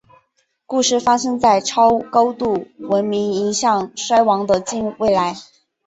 故事发生在超高度文明迎向衰亡的近未来。